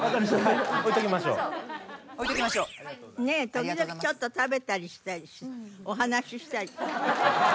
時々ちょっと食べたりしたいしお話したり。